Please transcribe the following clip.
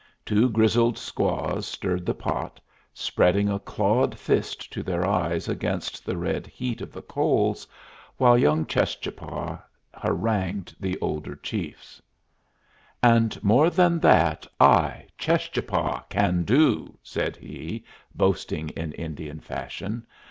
Two grizzled squaws stirred the pot, spreading a clawed fist to their eyes against the red heat of the coals, while young Cheschapah harangued the older chiefs. [Illustration: "BOASTING IN INDIAN FASHION"] "And more than that, I, Cheschapah, can do," said he, boasting in Indian fashion.